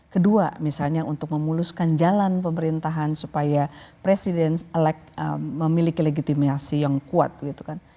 kedua misalnya untuk memuluskan jalan pemerintahan supaya presiden elek memiliki legitimasi yang kuat gitu kan